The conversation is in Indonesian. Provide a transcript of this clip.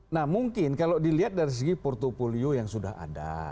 nah mungkin kalau dilihat dari segi portfolio yang sudah ada